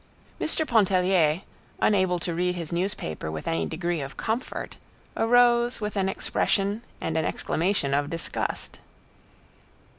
Mr. Pontellier, unable to read his newspaper with any degree of comfort, arose with an expression and an exclamation of disgust.